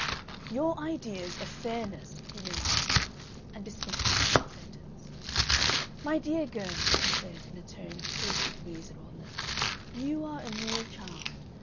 "Your ideas of fairness " he remarked, and discontinued that sentence. "My dear girl," he said, in a tone of patient reasonableness, "you are a mere child.